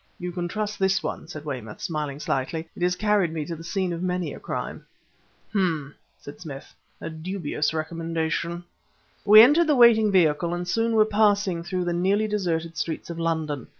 "You can trust this one," said Weymouth, smiling slightly. "It has carried me to the scene of many a crime." "Hem!" said Smith "a dubious recommendation." We entered the waiting vehicle and soon were passing through the nearly deserted streets of London.